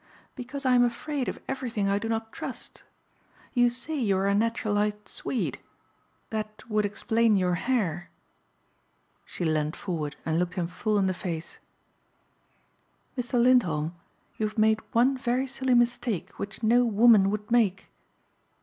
"Because I am afraid of everything I do not trust. You say you are a naturalized Swede. That would explain your hair." She leaned forward and looked him full in the face, "Mr. Lindholm, you have made one very silly mistake which no woman would make."